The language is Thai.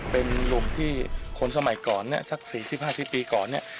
เป็นหลุมที่คนสมัยก่อนสัก๔๐๕๐ปีก่อน